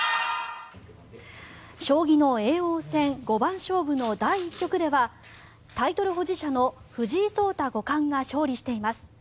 将棋の叡王戦五番勝負の第１局ではタイトル保持者の藤井聡太五冠が勝利しています。